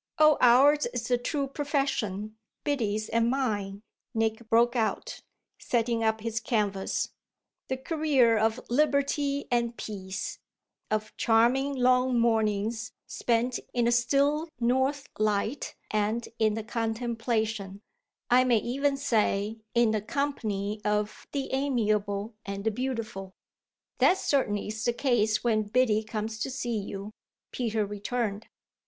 "Oh ours is the true profession Biddy's and mine," Nick broke out, setting up his canvas; "the career of liberty and peace, of charming long mornings spent in a still north light and in the contemplation, I may even say in the company, of the amiable and the beautiful." "That certainty's the case when Biddy comes to see you," Peter returned.